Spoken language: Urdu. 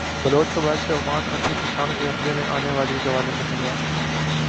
بلوچ قبائل سے عمان اور پھر پاکستان کے قبضے میں آنے والی گوادربندرگاہ